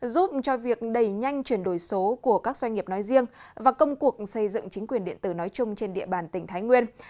giúp cho việc đẩy nhanh chuyển đổi số của các doanh nghiệp nói riêng và công cuộc xây dựng chính quyền điện tử nói chung trên địa bàn tỉnh thái nguyên